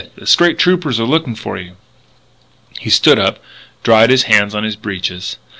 The State Troopers are looking for you!" He stood up, dried his hands on his breeches.